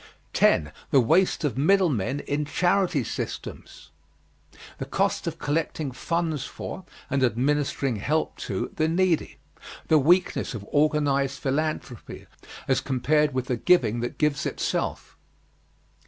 10. THE WASTE OF MIDDLE MEN IN CHARITY SYSTEMS. The cost of collecting funds for, and administering help to, the needy. The weakness of organized philanthropy as compared with the giving that gives itself.